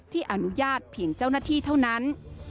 อนุญาตเพียงเจ้าหน้าที่เท่านั้น